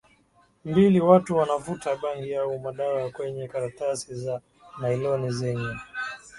mbili watu wanavuta bangi au madawa kwenye karatasi za nailoni zenye